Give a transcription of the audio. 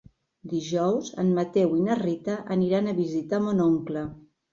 Dijous en Mateu i na Rita aniran a visitar mon oncle.